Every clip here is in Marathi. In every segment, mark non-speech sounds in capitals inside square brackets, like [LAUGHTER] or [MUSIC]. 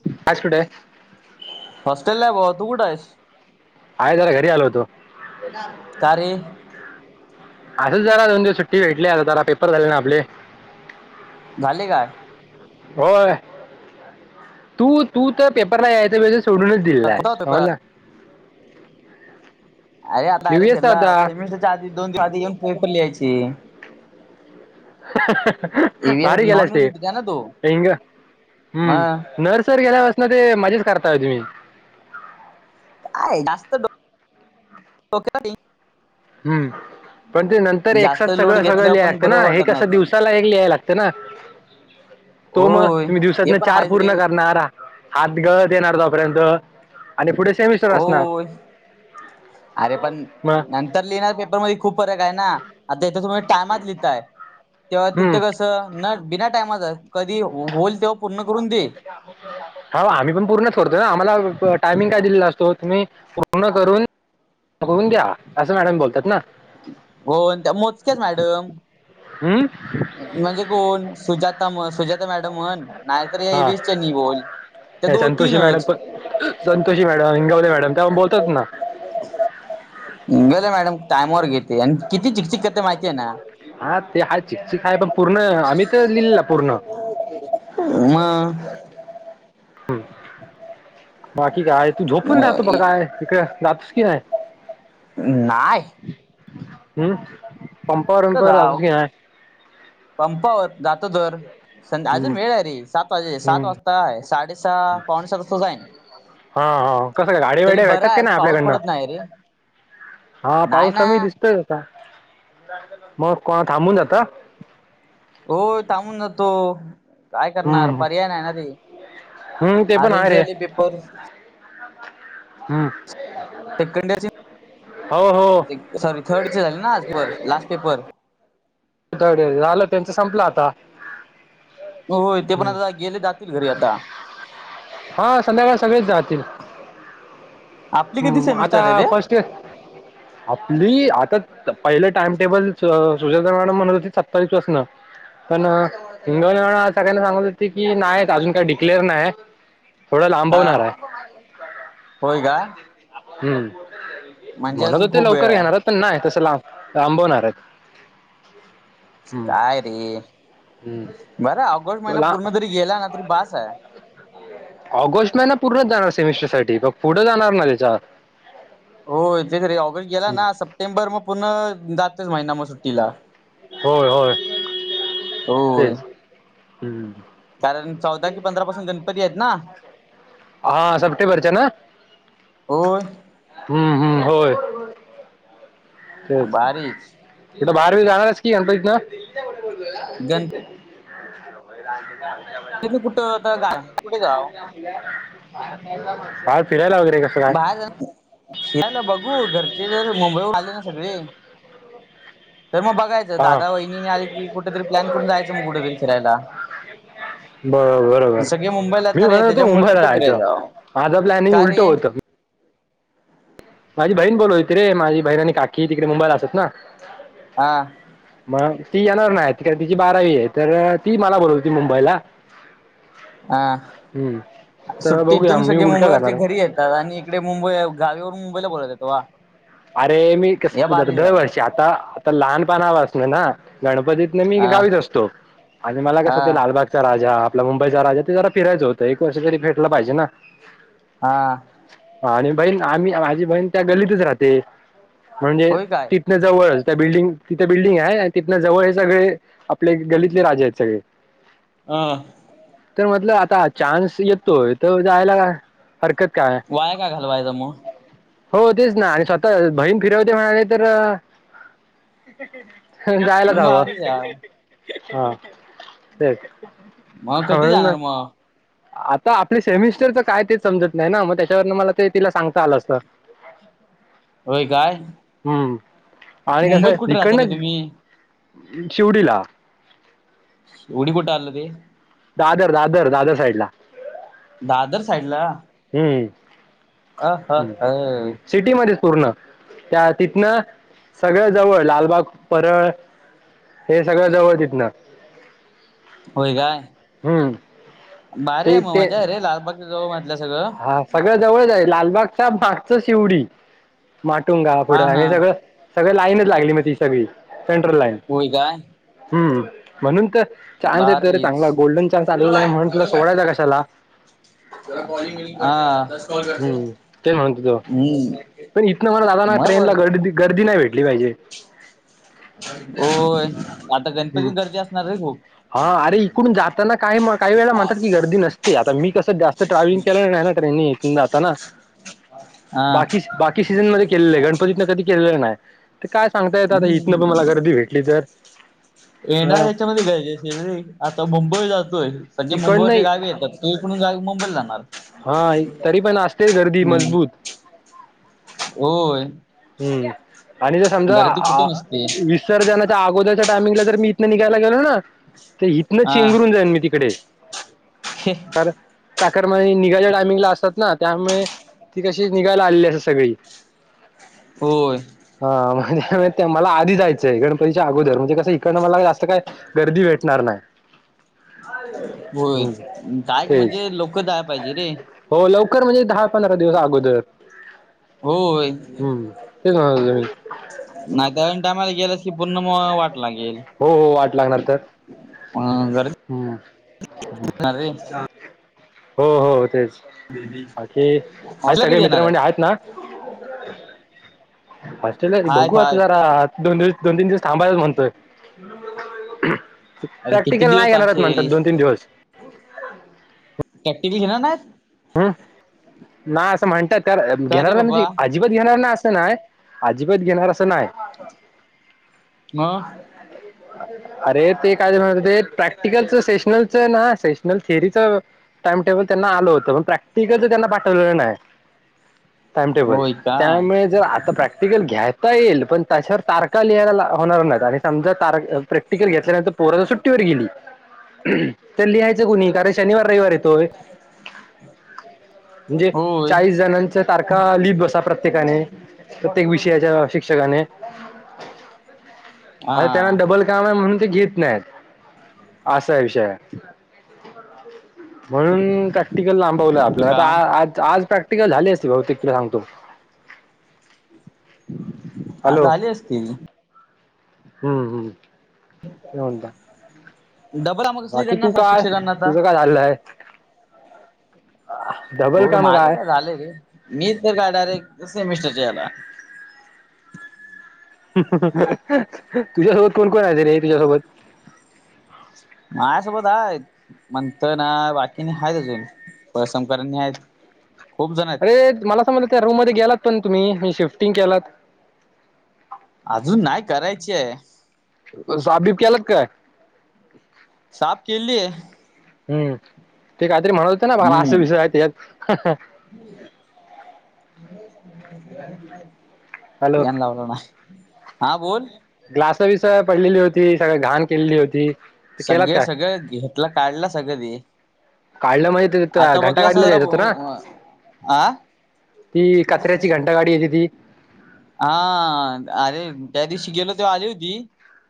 [UNINTELLIGIBLE] हॉस्टेल ला आय बाबा तू कुठयेस? आहे जरा घरी आलो होतो. का रे? असंच जरा दोन दिवस सुट्टी भेटली जरा पेपर झाले ना आपले. झाले काय? होय तू, तू त्या पेपरलायायच सोडूनच दिला कुठं होता हो पेपर आज ना. अरे! आता न्यू अरे! इयर्सचा घेतला होता सेमिस्टरच्या आधी दोन दिवस आधी येऊन पेपर लिहायची. युनिव्हर्सिटीचा आहे ना तो [UNINTELLIGIBLE] मग हम्म नर्सर गेल्या पासन ते माझेच करताय तुम्ही [UNINTELLIGIBLE] हम्म, पण ते नंतर जास्त एकसाथ लोड सगळं सगळं घेतल्यावर पण लिहायचा ना बरोबर हे वाटत नाही कसं ते दिवसाला एक लिहाय लागत. ना तो मग होय तुम्ही ते दिवसातन पण चार आहेच रे पूर्ण करणार आ हात गळत येणार तो पर्यंत आणि पुढे सेमिस्टर हो असणार अरे! पण मग न तर लिहिणार पेपरमध्ये खूप फरक आहे ना? आता तुम्ही हित टाइमात लिहिताय तेव्हा हम्म तिथं कस न बिना टायमाच कधी होईल तेव्हा पूर्ण करून दे [UNINTELLIGIBLE] हा आम्ही पण पूर्ण करतोय ना आम्हाला टायमिंग काय दिलेला असतो तुम्ही पूर्ण करून होऊन द्या असं मॅडम बोलतात ना? होउन त्या मोजक्याच मॅडम. [UNINTELLIGIBLE] अम्म. म्हणजे कोण? सुजाता म सुजाता मॅडम म्हण नाहीतर या ए हा व्ही स चेनि बोल. त्या दोन संतोषी मॅडम तीनच. पण संतोषी मॅडम, हिंगवले मॅडम तेव बोलतात ना. गेले मॅडम टाइमवर घेते. आणि किती चिकचिक करते माहितीये ना. हा ते हा चिक चिक हाय. पण पूर्ण आम्ही तर लिहिलेला पूर्ण. म. बाकी काय तू झोपून म राहतो का काय? इकडे जातोस की नाय? नाय. हम्म पंपा तर बींपावर जाव जातोस की नाय? पंपावर जातो तर. संध अजून हं, वेळ आहे रे. सात वाजे सात हं. वाज ताय. साडे सहा, पावनसात तसं जाईन. हा हा कसं का तरी गाडीवाडी भेटतात बरा का आज नाय? पाऊस आपल्याकडनं. पडत नाही रे हा नाही पाऊस ना कमी दिसतोय आता. मग कोणा थांबून जात. हो थांबून जातो. काय करणार हं, पर्याय नाही ना ती. हं, ते पण आज आहे रे यांजरॅली पेपर. हम्म. सेकंड हो हो इयर, सॉरी थर्ड चे झाले ना आज लास्ट पेपर. थर्ड झालं त्यांच संपलं आता. ह होय ते पण हम्म आता गेले जातील घरी आता. हा संध्याकाळ सगळेच जातील. आपली किती हम्म आता सेमिस्टर आहे रे फस्ट आपली आता पहिलं टाइम टेबल स सुजाता सुजाता मॅडम म्हणत होती सत्तावीस पासनं. पण हिंगवली मॅडम सगळ्यांना सांगत होते की, नाय अजून काही डिक्लेअर नाय. थोडा हा लांबवणारे. होय का हम्म म्हणजे म्हणत हो अजून शते खूप वेळ लवकर आहे घेणारे. पण नाय. तसं लाब लांबवणारे. काय रे. हम्म बरं ऑगस्ट महिना ला पूर्ण जरी गेला ना तरी बसे. ऑगस्ट महिना पूर्णच जाणार सेमिस्टर साठी. पग पुढं जाणार ना त्याच्या. हो तेच रे ऑगस्ट गेला ना. सप्टेंबर म पूर्ण जातोच महिना म सुट्टीला. होय होय होय तेच. हम्म. कारण चौदा कि पंधरा पासून गणपती आहेत ना हा सप्टेंबर चे ना, होय. हम्म हम्म होय. तेच. बारीक तीथं बाहेरवी जाणारच की गणपतीत ना. गणपती [UNINTELLIGIBLE] तुम्ही कुठे आता जाना. कुठे जाव? बाहेर फिरायला वगैरे का? बाहेर फिरायला बघू. घरचे जर मुंबईवरून आले ना सगळे. त म बघाय हा दादा वहिनी आली की, कुठ तरी् प्लॉन करून जायंच मग. कुठेतरी फिरायला. बरो बरोबर सगळे मुंबईलात मी ना रे म्हणत होतो त्याच्यामुळे मुंबईला कुठं जाहायचं. फिरायचं माझं प्लॅनिंग का उलटं रे होतं. माझी बहीण बोलो होती रे. माझी बहीण आणि काकी तिकडे मुंबाईला असत ना. हा. मग ती येणार नाही कारण तिची बारावी आहे तर ती मला बोलवती मुंबईला. हा हम्म. तर बघूया सुट्टीतून मी सगळे उलटं करणार मुंबईवरचे आहे घरी आहेत. दादानी इकडे मुंबई गावीवरून मुंबईला बोलवतात वा. अरे मी कस या द भारीच -दर आहे वर्षी आता आता लहानपणा पारासन ना गणपतीत मी हा गावीच असतो आणि मला कस हा लालबाग चा राजा आपला मुंबईचा राजा ते जरा फिरायचं होतं एक वर्ष तरी भेटल पाहिजे ना. हा. हा आणि बहीण आणि माझी बहीण त्या गल्लीतच राहते म्हणजे होय काय ती तिथन जवळ त्या बिल्डिंग तिथे बिल्डिंग आहे आणि तिथनं जवळ हे सगळे आपले गलीतले राजे आहेत सगळे. हा. तर म्हटलं आता चान्स येतोय तर जायला हरकत काय वाया का घालवायचा मग हो तेच ना आणि स्वतः बहीण फिरवते म्हणाले तर हो जायलाच हवं. भारीच आहे हा तेच मग कधी हो ना. जाणार मग आता आपले सेमिस्टरचं काय ते समजत नाही ना मग त्याच्यावरन मला ते तिला सांगता आलं असत. [UNINTELLIGIBLE] होय काय. हम्म आणि मुंबईत कसं कुठे राहता रे इकडन तुम्ही शिवडीला उडी कुठ आल ते? दादर दादर दादर साईडला. दादर साईडला? हम्म. [UNINTELLIGIBLE] सिटीमध्येच पूर्ण त्या तिथनं सगळं जवळ लालबाग पर हे सगळं जवळ तिथन. होय काय. हम्म. भारीये ते रे म ते मजा रे लालबागच्या जावळ म्हटलं सगळं. हा सगळं जवळच आहे लालबागच्या मागच शिवडी माटुंग गावा हा पुढं हा आणि सगळं सगळ लाईनच लागली मग ती सगळी सेंट्रल लाईन होय काय हम्म म्हणून त चान्स येतोय रे भारीच चांगला गोल्डन चान्स आलेला आहे म्हंटलं सोडायचा कशाला. आ हम्म तेच म्हणत होतो हम्म. पण इथनं मला जाताना मग ट्रेन ला बरोबर गर्दी- गर्दी नाही भेटली पाहिजे. होय आता हम्म. गणपती गरदी असणार रे खूप. हा अरे इकडून जाताना काय काही वेळाला म्हणतात की गर्दी नसते आता मी कसं जास्त ट्रॅव्हलिंग केलं नाही ना तरी मी इथून जातांना. [UNINTELLIGIBLE] हा. बाकी सीझन मध्ये केलेल आहे गणपती तन कधी केलेलं नाही. ते काय सांगता येत आता इथनं पण मला हम्म गर्दी भेटली तर. येणार अ याच्यामध्ये गरजेचे रे आता मुंबई जातोय संजे तिकडन मुंबईवरचे गावी येतात. ते कोणी गावी मुंबईला जाणार. हा आई तरी पण असतेच गर्दी हम्म मजबूत. होय. हम्म आणि जर समजा गर्दी आ कुठे नसते वीस सर जा त्या अगोदरच्या टायमिंगला जर मी इथनं निघायला गेलो ना तर इथनं चेंगरून जाईन मी तिकडे. खे. कार चाकर म्हान निघायच्या टायमिंगला असतात ना त्यामुळे ती कशी निघायला आलेली अस सगळी. होय. हा म्हणजे ते मला आधी जायचंय गणपतीच्या अगोदर म्हणजे कसं इकडनं मला जास्त काय गर्दी भेटणार नाही. हो हम्म काय क तेच म्हणजे लोक जाय पाहिजे रे. हो लवकर म्हणजे दहा पंधरा दिवस अगोदर. होय. हम् तेच म्हणत होते मी. नाही तरन टायमाला गेलस की पूर्ण मग वाट लागेल. हो हो वाट लागणार तर गर्दी हम्म. [UNINTELLIGIBLE] हो हो तेच बाकी आ हॉस्टेलला सगळे कधी येणार मित्रमंडळी आहेस आहेत ना. होस्टेलला रे बघू आहेत आत आहेत जरात. दो दिवस दो तीन दिवस थांबायचच म्हणतोय. अरे किती प्रॅक्टिकल दिवस नाही घेणारत म्हणतात थांबशील दोन तीन दिवस. प्रॅक्टिकल घेणार नाहीत. हम् ना असं म्हणत तर का घेणार रे नाही म्हणजे बाबा अजिबात घेणार नाही असं नाही अजिबात घेणार असं नाही. मग? अरे ते काय त म्हणत होते प्रॅक्टिकलचं सेशनलचं ना सेशनल थेअरीच टाइमटेबल त्यांना आलं होत पण प्रॅक्टिकलच त्यांना पाठवलेलं नाही. टाइमटेबल होय काय त्यामुळे जर आता प्रॅक्ट प्रॅक्टिकल घ्यायता येईल पण त्याच्यावर तारखा लिहायला होणार नाहीत आणि समजा कार प्रॅक्टिकल घेतल्यानंतर पोर ज सुट्टीवर गेली. तर लिहायचं कुणी कारण शनिवार रविवारेत. म्हणजे होय चाळीस जणांचा त्या तारखा लिप बसा प्रत्येकाने प्रत्येक विषयाच्या शिक्षकाने. आता त्यांना हा डबल काम आहे म्हणून ते घेत नाहीत असा विषय आय. म्हणून का प्रॅक्टिकल लांबवलं आपलं आता काम आज आज प्रॅक्टिकल झाली असती बहुतेक तिला सांगतो. हा हॅलो झाली असतील. हम्म हम्म. [INAUDIBLE] काय म्हणता? डबल आम कसली बाकी देणार तू त्या काय शिक्षकांना आता? तुझं काय झालंय? डबल हो काम माझं काय झालं रे मी तर काय डायरेक्ट सेमिस्टरच्या याला. तुझ्यासोबत कोण कोण आहेत रे तुझ्यासोबत माझ्यासोबत आहेत म्हणत ना बाकीनी आहेत अजून परसमकरांनी आहेत. खूप जणा ते मला समजल त्या रूममध्ये गेलात पण तुम्ही नी शिफ्टिंग केलात. अजून नाही करायचीय. साफ बीफ केला की काय? साफ केली आहे. हम्म. ते काहीतरी म्हणत होते ना? मला असे विषय आहेत यात. ह् हॅलो यान लावल ना? हा बोल. ग्लास बी स पडलेली होती. सगळ घाण केलेली होती. ते केलात सगळे काय? सगळे घेतलं. काढल सगळं ते. काढलं म्हणजे ते आता घंटा बघलास गाडीला जरा द्यायच होत ना? आ ती कचऱ्याची घंटा गाडी येते ती. आण. अरे त्या दिवशी गेलो तेव्हा आली होती.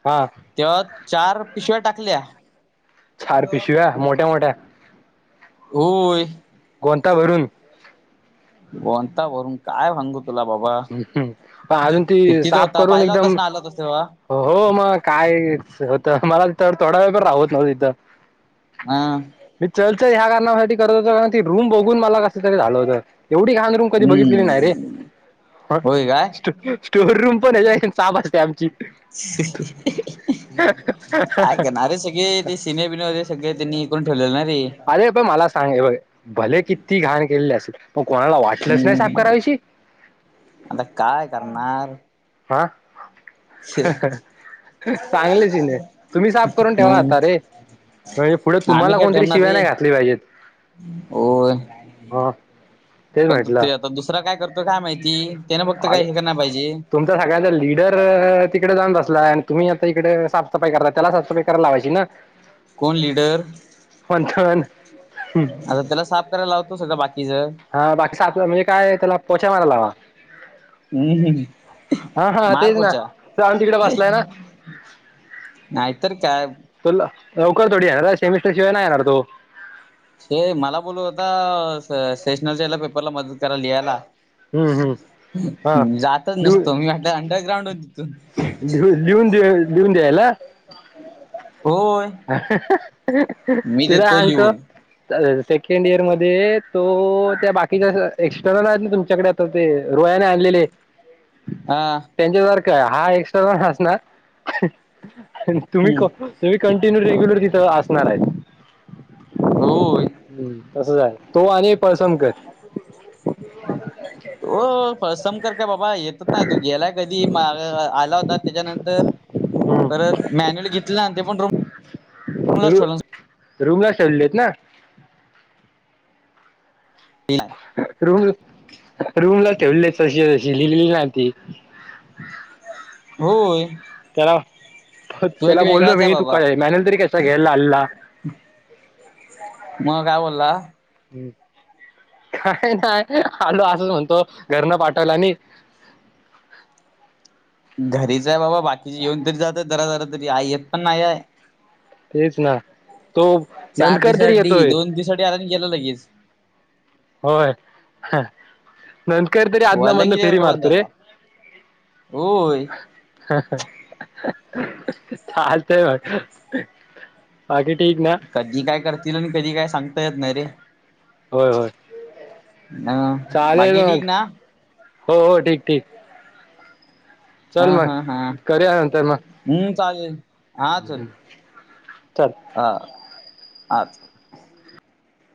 हा तेव्हा चार पिशव्या टाकल्या. चार मग? पिशव्या मोठ्या मोठ्या होय. गोंताभरून. गोंताभरून काय सांगू? तुला बाबा. पण अजून ती कितीच साफ होता करून पाहिला होतास एकदम ना? आला होतास तेव्हा? हो. मग काय होत? मला तर थोडा वेळ पण राहवत नव्हतं तिथं. हम्म. मी चर्चा ह्या कारणासाठी करत होतो. कारण ती रूम बघून मला कस तरी झालं होतं. एवढी घाण रूम कधी बघितलेली नाही रे. हम्म होय काय स्टोर रूम पण याच्यापेक्षा साफ असते आमची. काय करणार? अरे सगळे ते सिने बिने होते सगळे त्यांनी- [UNINTELLIGIBLE] ठेवलेलं ना रे? अरे पण मला सांग हे बघ. भले किती घाण केलेली असेल पण कोणाला वाटलंच नाही साफ हम्म कराविशी? आता काय करणार? हा. चांगलीचइन तुम्ही साफ करून ठेवा मग आता रे. म्हणजे पुढे तुम्हाला आम्ही काय कोणतरी ठेवणार शिव्या रे नाही घातल्या पाहिजेत. होय हो. पण चुकतोया. त दुसरां काय करतो काय माहिती. त्याने फक्त अ काय हे करणार पाहिजे तुम- सगळ्यांचा ल लीडर तिकडे जाऊन बसलाय आणि तुम्ही आता इकडे साफसफाई करता. त्याला साफसफाई करायला लावायची ना? कोण लिडर? मंथन आता त्याला साफ - करायला लावतो सगळ बाकीचं. हा. बाकी साफ म्हणजे काय? त्याला पोछा मारायला लावा. हम्म हा हा. तेच ना मारखोचा राम् तिकडे बसलाय ना. नाहीतर काय? तो लवकर थोडी येणार? सेमिस्टर शिवाय नाही येणार तो. छे हो मला बोलवत होता स्टेशनरी पेपरला मदत करायला लिहायला. हम्म हम्म हा हं. जातच नसतो मी. म्हटलं अंडरग्राउंड हो तिथून. लिह लिहून दे, लिहून द्यायला? होय. मी तुला देतोय सांगतो. लिहून सेकंड इयर मध्ये तो, त्या बाकीच्या एक्स्टर्नल आहेत ना तुमच्याकडे? ते रोह्याने आणलेले. हा. त्यांच्यासारखा हा एक्स्ट्रा पण असणार तुम्ही कंटिन्यू रेग्युलर तिथ असणार आहेत होय तो आणि पळसमकर ह [UNINTELLIGIBLE] हो पळसमकर काय बाबा येतच ना तो गेलाय कधी आला होता त्याच्यानंतर परत मॅन्युअली घेतले ते पण रूम रु ठ रूमला शेवले आहेत ना [UNINTELLIGIBLE] रूम रूमला ठेवले तशी तशी लिहिली ना ती होय त्याला तो त्याला एक बोललो वेगळाच आहे मी तू बाबा काय मॅनेल तरी कसा घ्यायला हल्ला मग काय बोलला काय नाही आलो असंच म्हणतो घर न पाठवला आणि घरीच आहे बाबा बाकीचे येऊन तरी जात जरा जरा तरी आई येत पण नाही आहे तेच ना तो नंदकर तरी येतोय गेलं लगेच होय नंदकरतरी अदूमधून लगेच येवर फेरी का बंद मारतोय आता होय चालतय बघ बाकी ठीक नाही कधी काय करतील आणि कधी काय सांगता येत नाही रे होय होय अ चालेल बाकी ठीक मग ना हो हो ठीक ठीक हा चल हा हा मग करूया नंतर मग ह चालेल हा चल चल हा अच्छा